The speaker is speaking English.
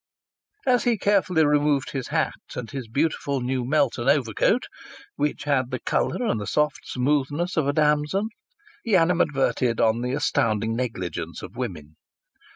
As he carefully removed his hat and his beautiful new Melton overcoat (which had the colour and the soft smoothness of a damson), he animadverted upon the astounding negligence of women.